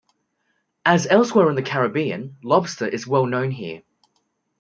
As elsewhere in the Caribbean, lobster is well known here.